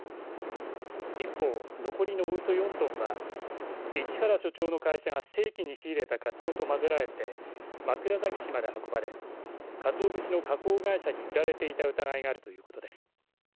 一方、残りのおよそ４トンは市原所長の会社が正規に仕入れたカツオと混ぜられて枕崎市まで運ばれかつお節の加工会社に売られていた疑いがあるということです。